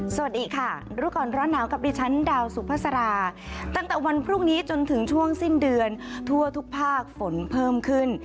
สวัสดีค่ะรู้ก่อนร้อนหนาวกับดิฉันดาวสุภาษาตั้งแต่วันพรุ่งนี้จนถึงช่วงสิ้นเดือนทั่วทุกภาคฝนเพิ่มขึ้น